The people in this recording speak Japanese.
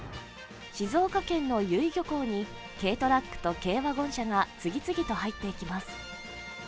静岡県の由比漁港に軽トラックと軽ワゴン車が次々と入っていきます。